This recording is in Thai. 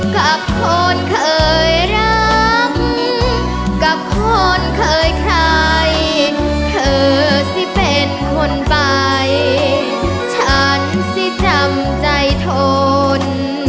กับคนเคยรักกับคนเคยใครเธอสิเป็นคนไปฉันสิจำใจทน